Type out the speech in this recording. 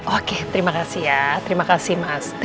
oke terima kasih ya terima kasih mas